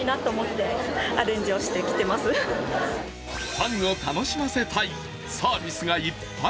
ファンを楽しませたいサービスがいっぱい。